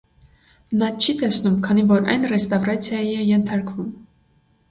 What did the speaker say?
Նա չի տեսնում, քանի որ այն ռեստավրացիայի է ենթարկվում։